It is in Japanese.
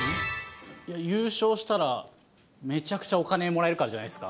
優勝したら、めちゃくちゃお金もらえるからじゃないですか。